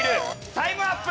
タイムアップ！